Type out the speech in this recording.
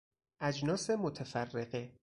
اجناس متفرقه